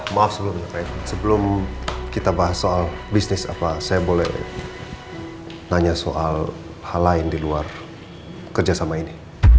maaf sebelumnya pak irfan sebelum kita bahas soal bisnis apa saya boleh nanya soal hal lain di luar kerja sama ini